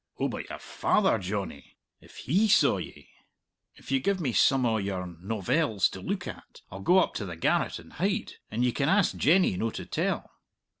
"Oh, but your father, Johnny? If he saw ye!" "If you gie me some o' your novelles to look at, I'll go up to the garret and hide, and ye can ask Jenny no to tell."